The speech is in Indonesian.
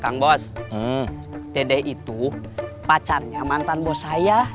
kang bos dede itu pacarnya mantan bos saya